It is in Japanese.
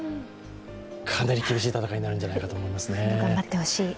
かなり厳しい戦いになるんじゃないかと思います。